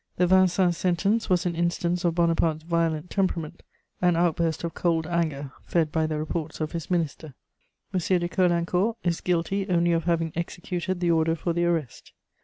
The Vincennes sentence was an instance of Bonaparte's violent temperament, an outburst of cold anger fed by the reports of his Minister. M. de Caulaincourt is guilty only of having executed the order for the arrest.